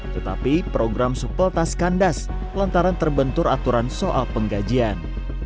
tetapi program supletas kandas lantaran terbentur aturan soal penggajian